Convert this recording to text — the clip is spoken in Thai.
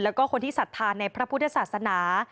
แล้วก็คนที่สัทธาในพระพุทธศาสนา